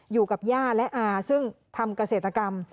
อยู่กับย่าและอาซึ่งทำเกษตรกรรม